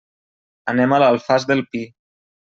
Anem a l'Alfàs del Pi.